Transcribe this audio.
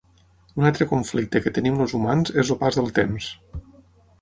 Un altre conflicte que tenim els humans és el pas del temps.